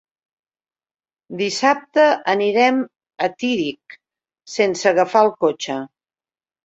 Dissabte anirem a Tírig sense agafar el cotxe.